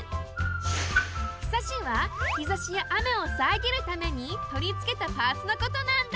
庇はひざしやあめをさえぎるためにとりつけたパーツのことなんだ。